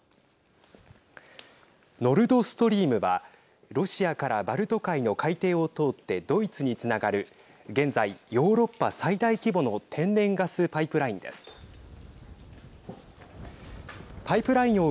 ノルドストリームはロシアからバルト海の海底を通ってドイツにつながる現在、ヨーロッパ最大規模の天然ガスパイプラインです。